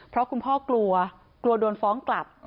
เพราะคุณพ่อกลัวกลัวโดนฟ้องกลับ